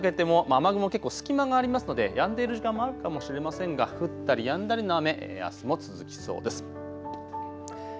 その後、夜にかけても雨雲、結構隙間がありますのでやんでいる時間もあるかもしれませんが降ったりやんだりの雨、